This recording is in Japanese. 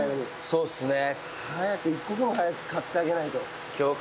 そうっすね。